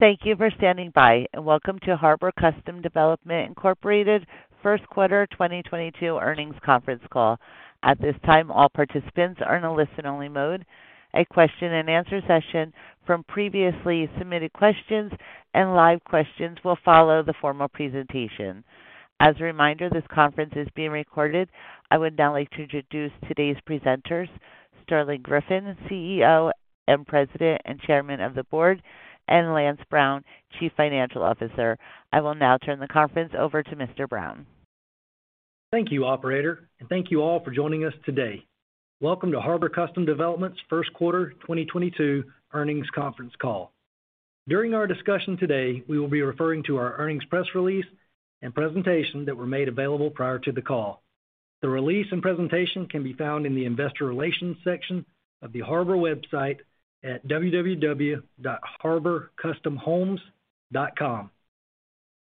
Thank you for standing by, and welcome to Harbor Custom Development, Inc. first quarter 2022 earnings conference call. At this time, all participants are in a listen-only mode. A question-and-answer session from previously submitted questions and live questions will follow the formal presentation. As a reminder, this conference is being recorded. I would now like to introduce today's presenters, Sterling Griffin, CEO, President and Chairman of the Board, and Lance Brown, Chief Financial Officer. I will now turn the conference over to Mr. Brown. Thank you, operator, and thank you all for joining us today. Welcome to Harbor Custom Development's first quarter 2022 earnings conference call. During our discussion today, we will be referring to our earnings press release and presentation that were made available prior to the call. The release and presentation can be found in the investor relations section of the Harbor website at www.harborcustomhomes.com.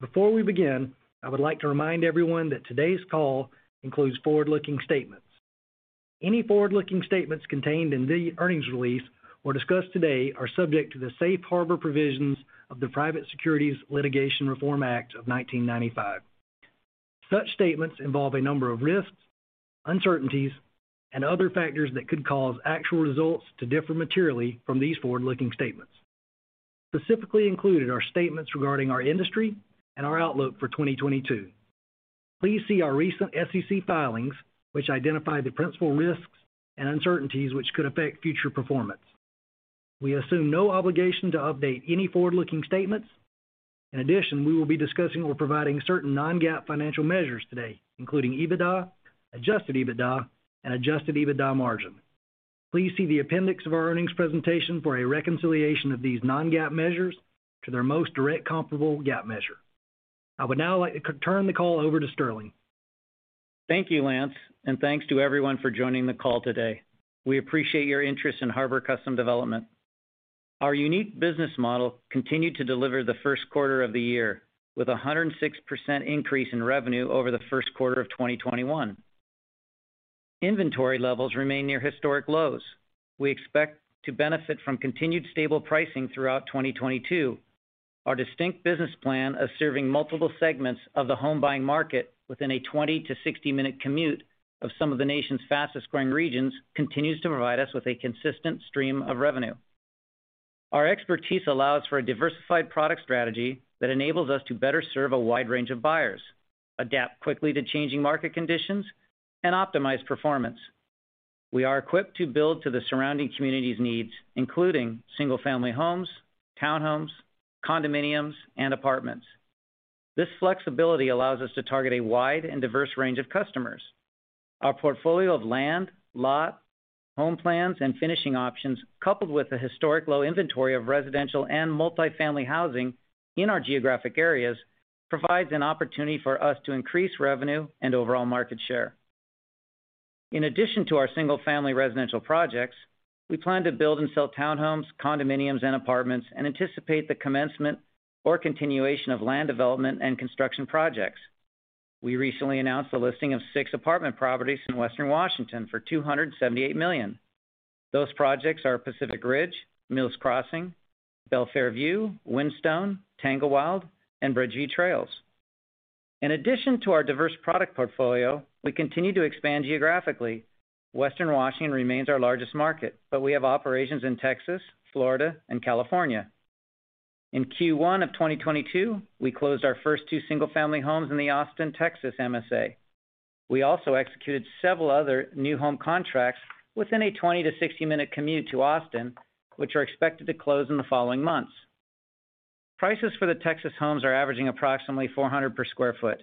Before we begin, I would like to remind everyone that today's call includes forward-looking statements. Any forward-looking statements contained in the earnings release or discussed today are subject to the safe harbor provisions of the Private Securities Litigation Reform Act of 1995. Such statements involve a number of risks, uncertainties, and other factors that could cause actual results to differ materially from these forward-looking statements. Specifically included are statements regarding our industry and our outlook for 2022. Please see our recent SEC filings, which identify the principal risks and uncertainties which could affect future performance. We assume no obligation to update any forward-looking statements. In addition, we will be discussing or providing certain non-GAAP financial measures today, including EBITDA, adjusted EBITDA, and adjusted EBITDA margin. Please see the appendix of our earnings presentation for a reconciliation of these non-GAAP measures to their most direct comparable GAAP measure. I would now like to turn the call over to Sterling. Thank you, Lance, and thanks to everyone for joining the call today. We appreciate your interest in Harbor Custom Development. Our unique business model continued to deliver the first quarter of the year, with 106% increase in revenue over the first quarter of 2021. Inventory levels remain near historic lows. We expect to benefit from continued stable pricing throughout 2022. Our distinct business plan of serving multiple segments of the home buying market within a 20-60-minute commute of some of the nation's fastest-growing regions continues to provide us with a consistent stream of revenue. Our expertise allows for a diversified product strategy that enables us to better serve a wide range of buyers, adapt quickly to changing market conditions, and optimize performance. We are equipped to build to the surrounding community's needs, including single-family homes, townhomes, condominiums, and apartments. This flexibility allows us to target a wide and diverse range of customers. Our portfolio of land, lot, home plans, and finishing options, coupled with the historic low inventory of residential and multi-family housing in our geographic areas, provides an opportunity for us to increase revenue and overall market share. In addition to our single-family residential projects, we plan to build and sell townhomes, condominiums, and apartments, and anticipate the commencement or continuation of land development and construction projects. We recently announced the listing of six apartment properties in Western Washington for $278 million. Those projects are Pacific Ridge, Mills Crossing, Belfair View, Wyndstone, Tanglewilde, and Bridle Trails. In addition to our diverse product portfolio, we continue to expand geographically. Western Washington remains our largest market, but we have operations in Texas, Florida, and California. In Q1 of 2022, we closed our first two single-family homes in the Austin, Texas MSA. We also executed several other new home contracts within a 20-60-minute commute to Austin, which are expected to close in the following months. Prices for the Texas homes are averaging approximately $400 per sq ft.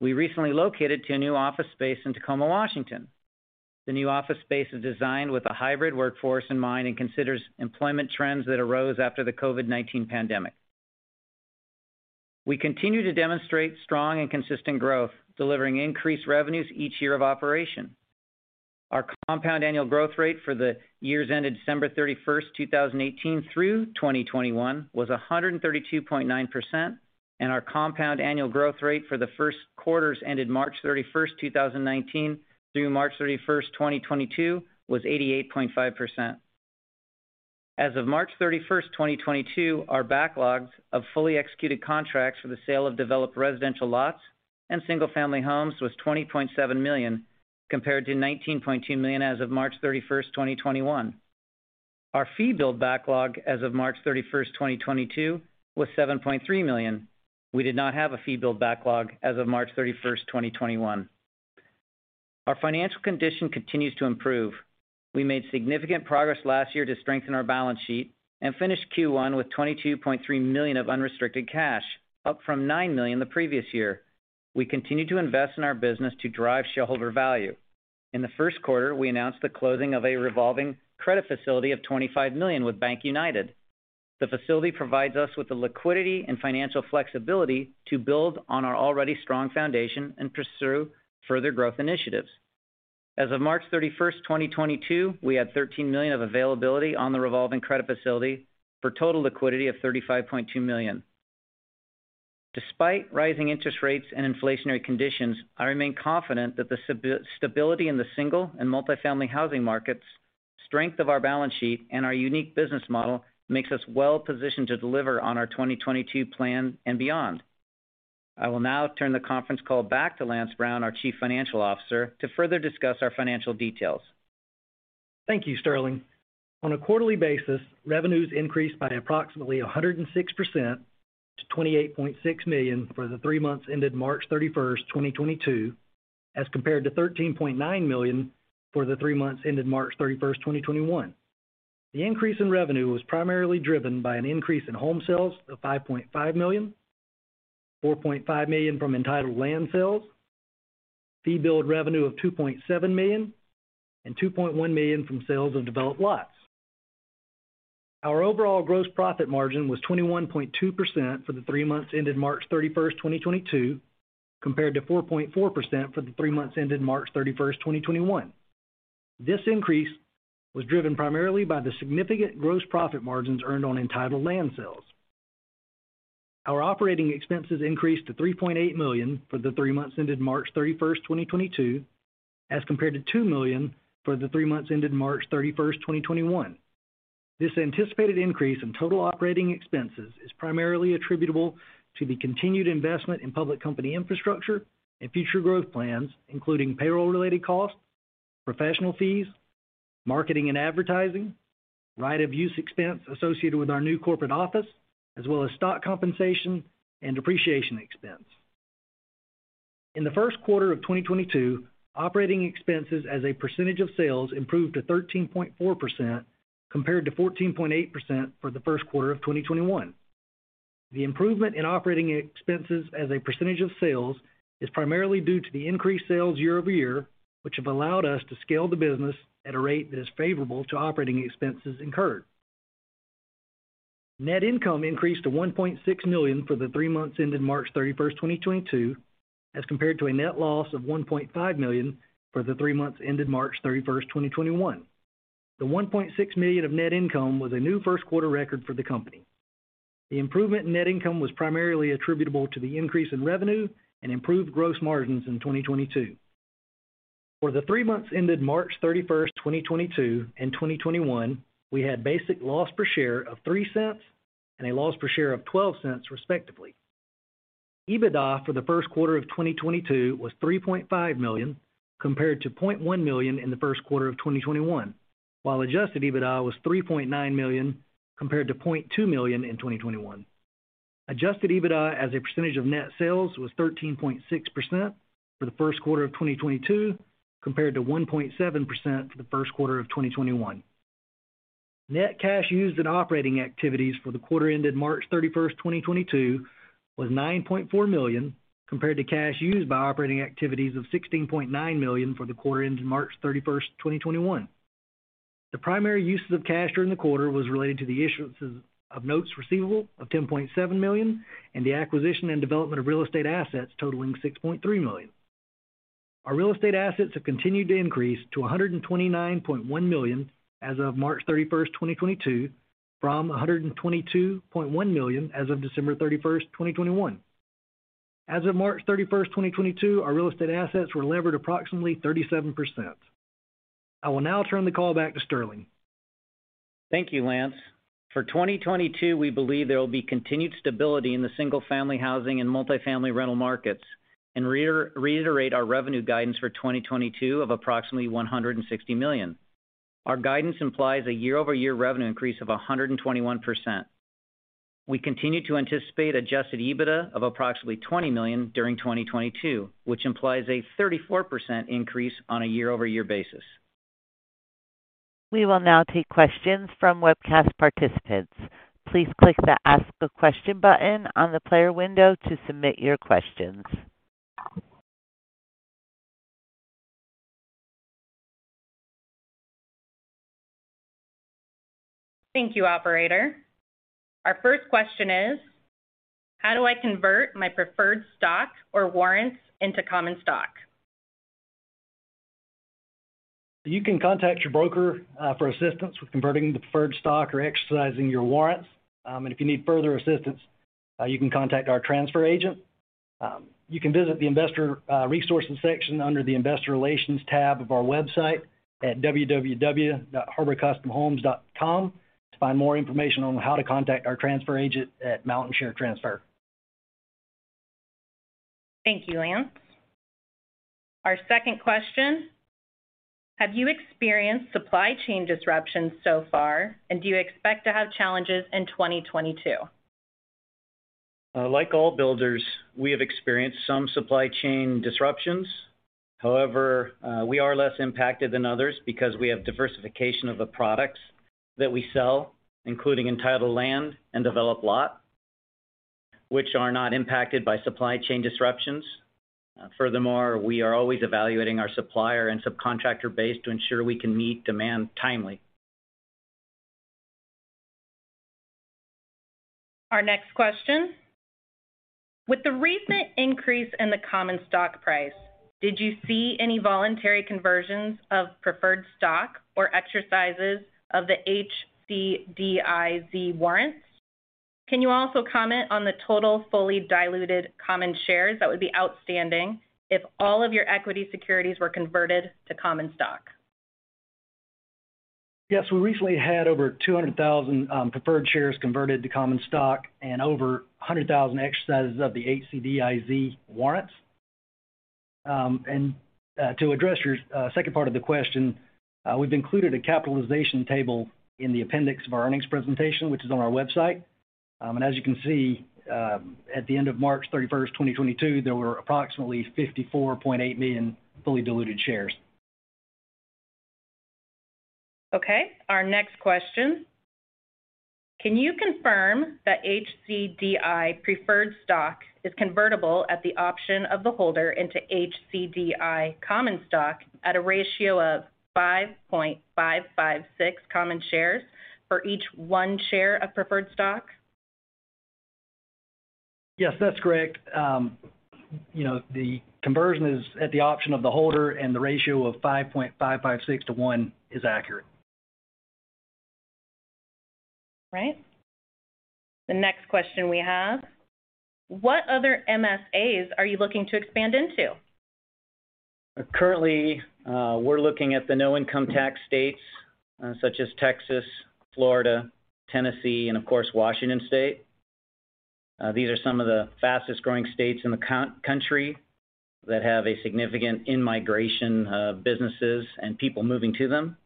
We recently located to a new office space in Tacoma, Washington. The new office space is designed with a hybrid workforce in mind and considers employment trends that arose after the COVID-19 pandemic. We continue to demonstrate strong and consistent growth, delivering increased revenues each year of operation. Our compound annual growth rate for the years ended December 31st, 2018 through 2021 was 132.9%, and our compound annual growth rate for the first quarters ended March 31st, 2019 through March 31st, 2022 was 88.5%. As of March 31st, 2022, our backlogs of fully executed contracts for the sale of developed residential lots and single-family homes was $20.7 million, compared to $19.2 million as of March 31st, 2021. Our fee build backlog as of March 31st, 2022 was $7.3 million. We did not have a fee build backlog as of March 31st, 2021. Our financial condition continues to improve. We made significant progress last year to strengthen our balance sheet and finished Q1 with $22.3 million of unrestricted cash, up from $9 million the previous year. We continue to invest in our business to drive shareholder value. In the first quarter, we announced the closing of a revolving credit facility of $25 million with BankUnited. The facility provides us with the liquidity and financial flexibility to build on our already strong foundation and pursue further growth initiatives. As of March 31st, 2022, we had $13 million of availability on the revolving credit facility for total liquidity of $35.2 million. Despite rising interest rates and inflationary conditions, I remain confident that the stability in the single and multifamily housing markets, strength of our balance sheet, and our unique business model makes us well positioned to deliver on our 2022 plan and beyond. I will now turn the conference call back to Lance Brown, our Chief Financial Officer, to further discuss our financial details. Thank you, Sterling. On a quarterly basis, revenues increased by approximately 106% to $28.6 million for the three months ended March 31st, 2022, as compared to $13.9 million for the three months ended March 31st, 2021. The increase in revenue was primarily driven by an increase in home sales of $5.5 million, $4.5 million from entitled land sales, fee build revenue of $2.7 million, and $2.1 million from sales of developed lots. Our overall gross profit margin was 21.2% for the three months ended March 31st, 2022, compared to 4.4% for the three months ended March 31st, 2021. This increase was driven primarily by the significant gross profit margins earned on entitled land sales. Our operating expenses increased to $3.8 million for the three months ended March 31st, 2022, as compared to $2 million for the three months ended March 31st, 2021. This anticipated increase in total operating expenses is primarily attributable to the continued investment in public company infrastructure and future growth plans, including payroll-related costs, professional fees, marketing and advertising, right of use expense associated with our new corporate office, as well as stock compensation and depreciation expense. In the first quarter of 2022, operating expenses as a percentage of sales improved to 13.4%, compared to 14.8% for the first quarter of 2021. The improvement in operating expenses as a percentage of sales is primarily due to the increased sales year-over-year, which have allowed us to scale the business at a rate that is favorable to operating expenses incurred. Net income increased to $1.6 million for the three months ended March 31st, 2022, as compared to a net loss of $1.5 million for the three months ended March 31st, 2021. The $1.6 million of net income was a new first quarter record for the company. The improvement in net income was primarily attributable to the increase in revenue and improved gross margins in 2022. For the three months ended March 31st, 2022 and 2021, we had basic loss per share of $0.03 and a loss per share of $0.12, respectively. EBITDA for the first quarter of 2022 was $3.5 million, compared to $0.1 million in the first quarter of 2021, while adjusted EBITDA was $3.9 million, compared to $0.2 million in 2021. Adjusted EBITDA as a percentage of net sales was 13.6% for the first quarter of 2022, compared to 1.7% for the first quarter of 2021. Net cash used in operating activities for the quarter ended March 31st, 2022 was $9.4 million, compared to cash used by operating activities of $16.9 million for the quarter ended March 31st, 2021. The primary uses of cash during the quarter was related to the issuances of notes receivable of $10.7 million and the acquisition and development of real estate assets totaling $6.3 million. Our real estate assets have continued to increase to $129.1 million as of March 31st, 2022, from $122.1 million as of December 31st, 2021. As of March 31st, 2022, our real estate assets were levered approximately 37%. I will now turn the call back to Sterling. Thank you, Lance. For 2022, we believe there will be continued stability in the single-family housing and multifamily rental markets and reiterate our revenue guidance for 2022 of approximately $160 million. Our guidance implies a year-over-year revenue increase of 121%. We continue to anticipate adjusted EBITDA of approximately $20 million during 2022, which implies a 34% increase on a year-over-year basis. We will now take questions from webcast participants. Please click the Ask a Question button on the player window to submit your questions. Thank you, operator. Our first question is: How do I convert my preferred stock or warrants into common stock? You can contact your broker for assistance with converting the preferred stock or exercising your warrants. If you need further assistance, you can contact our transfer agent. You can visit the investor resources section under the Investor Relations tab of our website at www.harborcustomhomes.com to find more information on how to contact our transfer agent at Mountain Share Transfer. Thank you, Lance. Our second question: Have you experienced supply chain disruptions so far, and do you expect to have challenges in 2022? Like all builders, we have experienced some supply chain disruptions. However, we are less impacted than others because we have diversification of the products that we sell, including entitled land and developed lot, which are not impacted by supply chain disruptions. Furthermore, we are always evaluating our supplier and subcontractor base to ensure we can meet demand timely. Our next question: With the recent increase in the common stock price. Did you see any voluntary conversions of preferred stock or exercises of the HCDIZ warrants? Can you also comment on the total fully diluted common shares that would be outstanding if all of your equity securities were converted to common stock? Yes. We recently had over 200,000 preferred shares converted to common stock and over 100,000 exercises of the HCDIZ warrants. To address your second part of the question, we've included a capitalization table in the appendix of our earnings presentation, which is on our website. As you can see, at the end of March 31st, 2022, there were approximately 54.8 million fully diluted shares. Okay. Our next question: Can you confirm that HCDI preferred stock is convertible at the option of the holder into HCDI common stock at a ratio of 5.556 common shares for each one share of preferred stock? Yes, that's correct. You know, the conversion is at the option of the holder, and the ratio of 5.556 to one is accurate. Right. The next question we have: What other MSAs are you looking to expand into? Currently, we're looking at the no income tax states, such as Texas, Florida, Tennessee, and of course, Washington State. These are some of the fastest-growing states in the country that have a significant in-migration of businesses and people moving to them.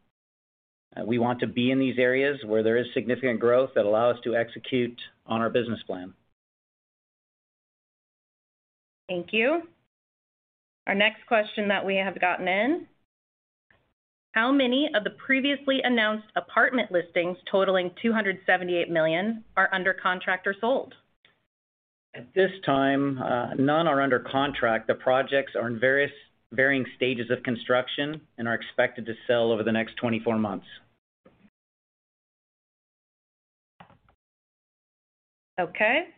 We want to be in these areas where there is significant growth that allow us to execute on our business plan. Thank you. Our next question that we have gotten in: How many of the previously announced apartment listings totaling $278 million are under contract or sold? At this time, none are under contract. The projects are in various stages of construction and are expected to sell over the next 24 months. Okay.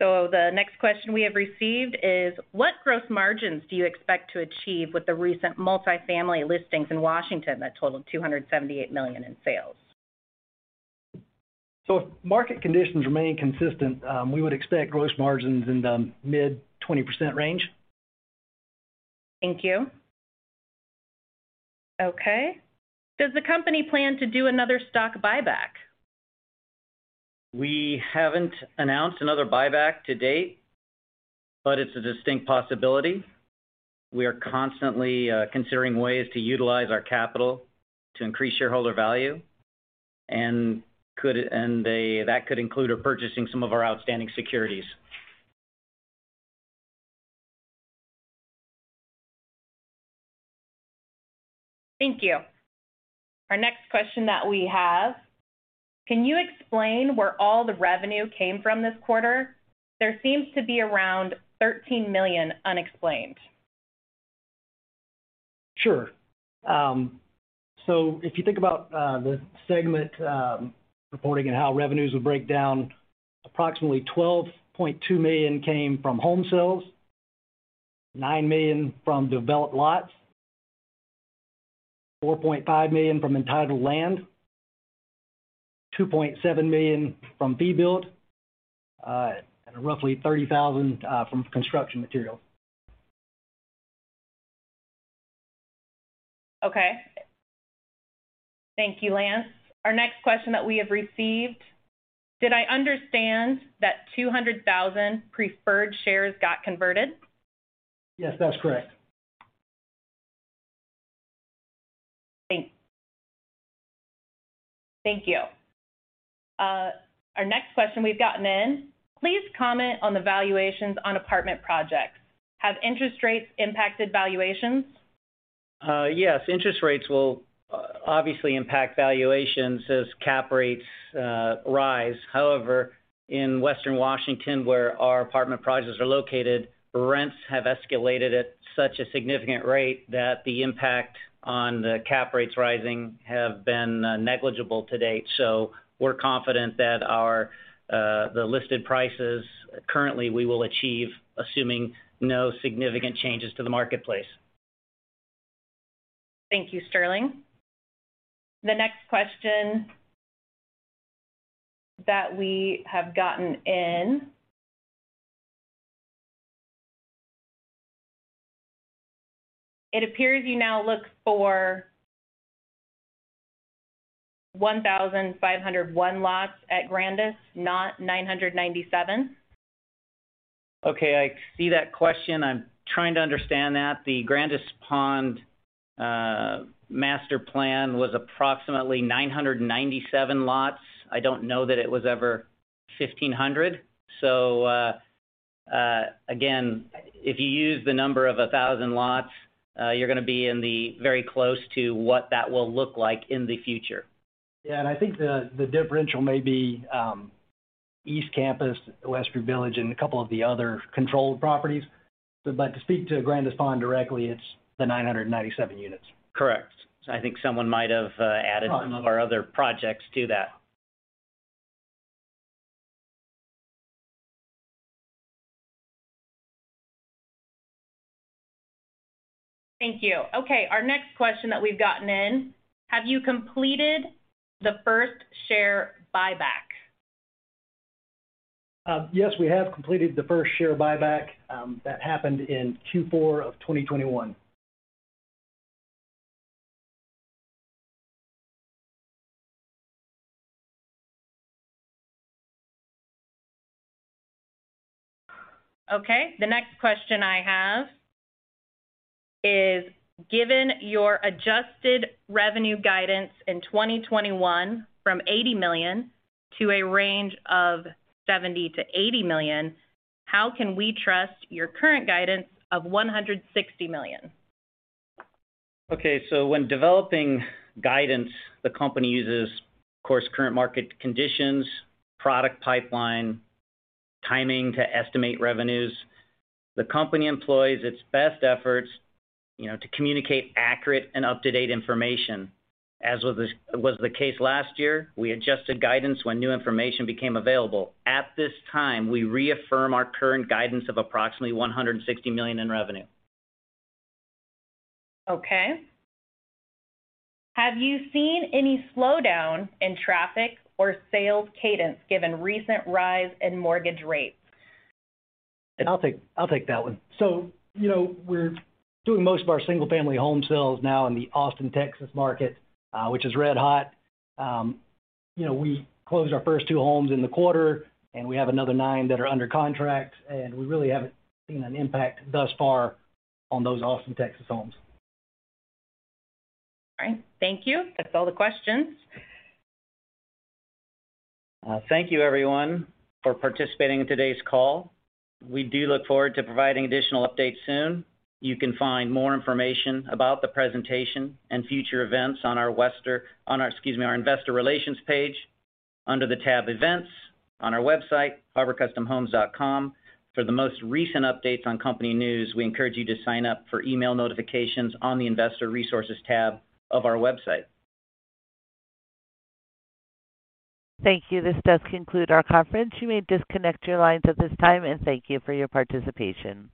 The next question we have received is: What gross margins do you expect to achieve with the recent multifamily listings in Washington that totaled $278 million in sales? If market conditions remain consistent, we would expect gross margins in the mid-20% range. Thank you. Okay. Does the company plan to do another stock buyback? We haven't announced another buyback to date, but it's a distinct possibility. We are constantly considering ways to utilize our capital to increase shareholder value and that could include purchasing some of our outstanding securities. Thank you. Our next question that we have: Can you explain where all the revenue came from this quarter? There seems to be around $13 million unexplained. Sure. If you think about the segment reporting and how revenues would break down, approximately $12.2 million came from home sales, $9 million from developed lots, $4.5 million from entitled land, $2.7 million from fee build, and roughly $30,000 from construction material. Okay. Thank you, Lance. Our next question that we have received. Did I understand that 200,000 preferred shares got converted? Yes, that's correct. Thank you. Our next question we've gotten in: Please comment on the valuations on apartment projects. Have interest rates impacted valuations? Yes. Interest rates will obviously impact valuations as cap rates rise. However, in Western Washington, where our apartment projects are located, rents have escalated at such a significant rate that the impact on the cap rates rising have been negligible to date. We're confident that the listed prices currently we will achieve, assuming no significant changes to the marketplace. Thank you, Sterling. The next question that we have gotten in. It appears you now look for 1,501 lots at Grandis, not 997. Okay. I see that question. I'm trying to understand that. The Grandis Pond master plan was approximately 997 lots. I don't know that it was ever 1,500. Again, if you use the number of 1,000 lots, you're gonna be very close to what that will look like in the future. Yeah. I think the differential may be East Campus, Westview Village, and a couple of the other controlled properties. To speak to Grandis Pond directly, it's the 997 units. Correct. I think someone might have added some of our other projects to that. Thank you. Okay, our next question that we've gotten in, have you completed the first share buyback? Yes, we have completed the first share buyback. That happened in Q4 of 2021. Okay. The next question I have is, given your adjusted revenue guidance in 2021 from $80 million to a range of $70 million-$80 million, how can we trust your current guidance of $160 million? Okay. When developing guidance, the company uses, of course, current market conditions, product pipeline, timing to estimate revenues. The company employs its best efforts, you know, to communicate accurate and up-to-date information. As was the case last year, we adjusted guidance when new information became available. At this time, we reaffirm our current guidance of approximately $160 million in revenue. Okay. Have you seen any slowdown in traffic or sales cadence given recent rise in mortgage rates? I'll take that one. You know, we're doing most of our single-family home sales now in the Austin, Texas, market, which is red hot. You know, we closed our first two homes in the quarter, and we have another nine that are under contract, and we really haven't seen an impact thus far on those Austin, Texas, homes. All right. Thank you. That's all the questions. Thank you everyone for participating in today's call. We do look forward to providing additional updates soon. You can find more information about the presentation and future events on our investor relations page under the tab Events on our website, harborcustomhomes.com. For the most recent updates on company news, we encourage you to sign up for email notifications on the Investor Resources tab of our website. Thank you. This does conclude our conference. You may disconnect your lines at this time, and thank you for your participation.